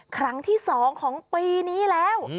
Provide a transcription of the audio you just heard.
ครั้งที่๒ของปีนี้แล้ว